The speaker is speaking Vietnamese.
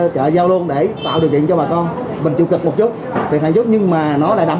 chợ giao luôn để tạo điều kiện cho bà con mình chịu cực một chút thiệt hạn chút nhưng mà nó lại đảm